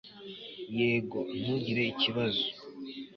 yego, ntugire ikibazo